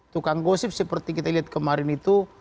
tukang gosip seperti kita lihat kemarin itu